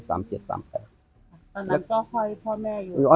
ตอนนั้นก็ห้อยพ่อแม่อยู่